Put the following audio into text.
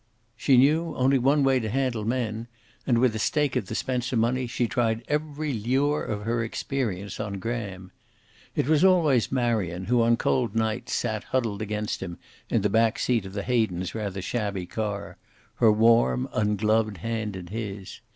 She knew only one way to handle men, and with the stake of the Spencer money she tried every lure of her experience on Graham. It was always Marion who on cold nights sat huddled against him in the back seat of the Hayden's rather shabby car, her warm ungloved hand in his.